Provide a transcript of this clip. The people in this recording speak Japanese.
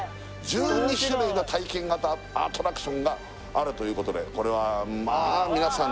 １２種類の体験型アトラクションがあるということでこれはまあ皆さんですね